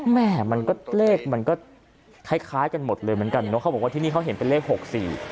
แม่มันก็เลขมันก็คล้ายคล้ายกันหมดเลยเหมือนกันเนอะเขาบอกว่าที่นี่เขาเห็นเป็นเลขหกสี่